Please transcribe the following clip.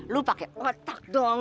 lu pake otak dong